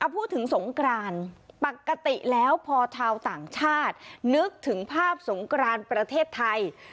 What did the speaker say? พูดถึงสงกรานปกติแล้วพอชาวต่างชาตินึกถึงภาพสงกรานประเทศไทย